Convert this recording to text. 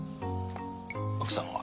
奥さんは？